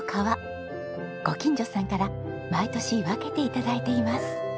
ご近所さんから毎年分けて頂いています。